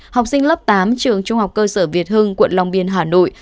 học sinh lớp tám trường trung học cơ sở việt hưng quận long biên hà nội